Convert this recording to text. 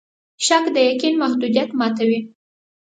شک د یقین د محدودیت ماتوي.